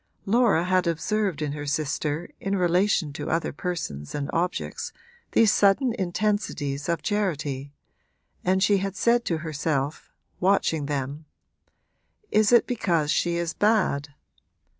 Laura had observed in her sister in relation to other persons and objects these sudden intensities of charity, and she had said to herself, watching them 'Is it because she is bad?